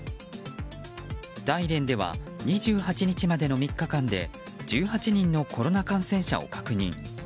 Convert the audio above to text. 大連では、２８日までの３日間で１８人のコロナ感染者を確認。